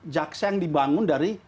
jaksa yang dibangun dari